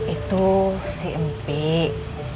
itu si empik